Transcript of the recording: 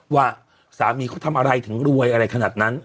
ว่าสามีเขาทำอะไรถึงรวยอะไรขนาดนั้น